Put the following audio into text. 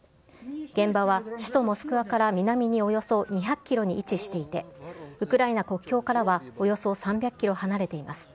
現場は首都モスクワから南におよそ２００キロに位置していて、ウクライナ国境からはおよそ３００キロ離れています。